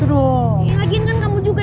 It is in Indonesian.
lagi kan kamu juga